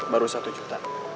baru satu juta